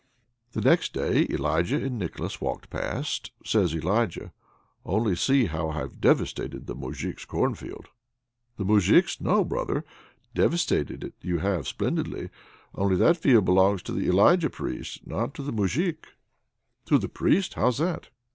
Next day Elijah and Nicholas walked past. Says Elijah: "Only see how I've devastated the Moujik's cornfield!" "The Moujik's! No, brother! Devastated it you have splendidly, only that field belongs to the Elijah Priest, not to the Moujik." "To the Priest! How's that?"